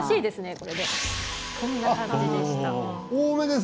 こんな感じでした。